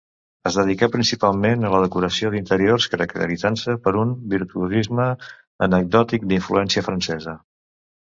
Es dedicà principalment a la decoració d'interiors, caracteritzant-se per un virtuosisme anecdòtic d'influència francesa.